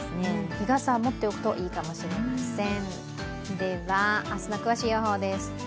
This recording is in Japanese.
日傘を持っておくといいかもしれません。